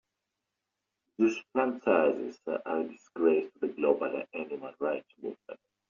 Zoos franchises are a disgrace to the global animal rights movement.